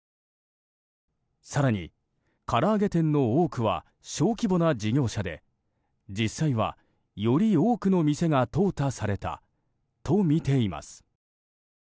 更に、から揚げ店の多くは小規模な事業者で実際は、より多くの店が淘汰されたとみています。